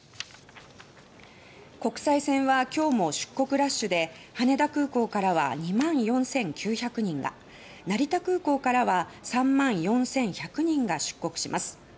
国際線は今日も出国ラッシュで羽田空港からは２万４９００人が成田空港からは３万４１００人が出国します。